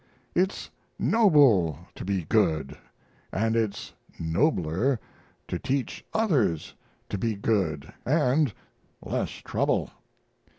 It's noble to be good, and it's nobler to teach others to be good, and less trouble.